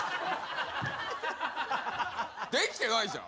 できてないじゃん！